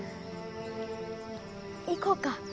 行こうか？